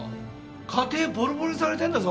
家庭ボロボロにされてるんだぞ。